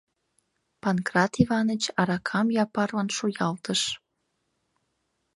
— Панкрат Иваныч аракам Япарлан шуялтыш.